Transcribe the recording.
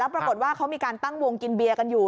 ปรากฏว่าเขามีการตั้งวงกินเบียร์กันอยู่